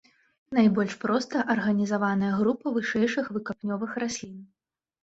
Найбольш проста арганізаваная група вышэйшых выкапнёвых раслін.